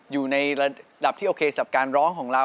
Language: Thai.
อยู่ในระดับที่โอเคกับการร้องของเรา